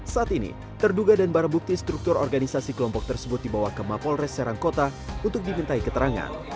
saat ini terduga dan barang bukti struktur organisasi kelompok tersebut dibawa ke mapol res serangkota untuk dimintai keterangan